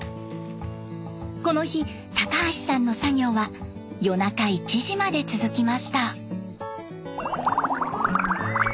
この日高橋さんの作業は夜中１時まで続きました。